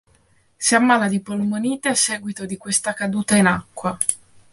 Si ammala di polmonite a seguito di questa caduta in acqua.